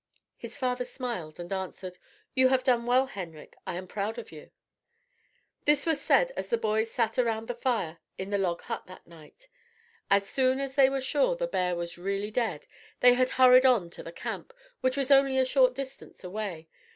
His father smiled and answered, "You have done well, Henrik. I am proud of you." This was said as the boys sat around the fire in the log hut that night. As soon as they were sure the bear was really dead, they had hurried on to the camp, which was only a short distance away.